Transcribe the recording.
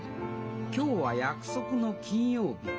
今日は約束の金曜日。